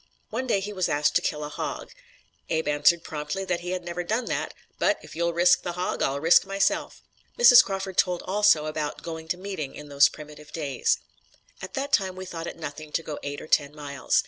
One day when he was asked to kill a hog, Abe answered promptly that he had never done that, "but if you'll risk the hog, I'll risk myself!" Mrs. Crawford told also about "going to meeting" in those primitive days: "At that time we thought it nothing to go eight or ten miles.